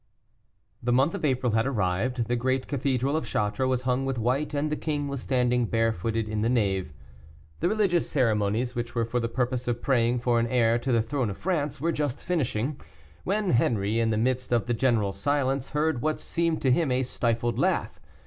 The month of April had arrived. The great cathedral of Chartres was hung with white, and the king was standing barefooted in the nave. The religious ceremonies, which were for the purpose of praying for an heir to the throne of France, were just finishing, when Henri, in the midst of the general silence, heard what seemed to him a stifled laugh.